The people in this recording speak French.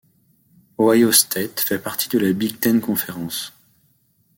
Ohio State fait partie de la Big Ten Conference.